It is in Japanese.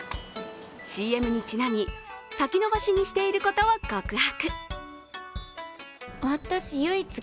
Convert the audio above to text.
ＣＭにちなみ、先延ばしにしていることを告白。